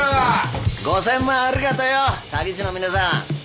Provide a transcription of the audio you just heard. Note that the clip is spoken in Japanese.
５，０００万ありがとよ詐欺師の皆さん。